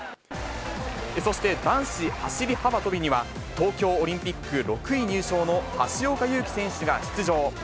そして男子走り幅跳びには、東京オリンピック６位入賞の橋岡優輝選手が出場。